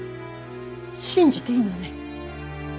信じていいのね？